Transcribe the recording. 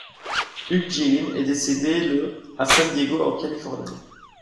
Hugh Gillin est décédé le à San Diego en Californie.